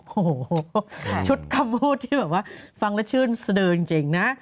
โอ้โหชุดคำพูดที่ฟังและชื่นเสดิ์จริงนะ